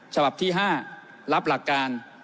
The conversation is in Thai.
ฉบับที่๕รับหลักการ